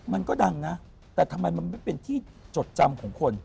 มันก็ดังนะแต่ทำไมมันไม่เป็นที่จดจำของคน